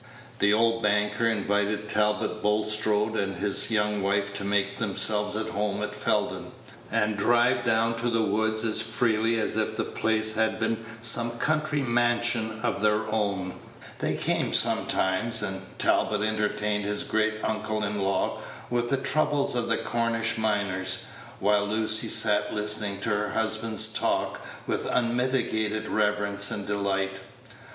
The old banker invited Talbot Bulstrode and his young wife to make themselves at home at Felden, and drive down to the Woods as freely as if the place had been some country mansion of their own. They came sometimes, and Talbot entertained his great uncle in law with the troubles of the Cornish miners, while Lucy sat listening to her husband's talk with unmitigated reverence and delight.